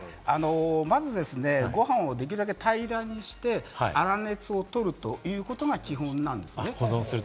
まずご飯をできるだけ平らにして、粗熱を取るということが基本なんですね。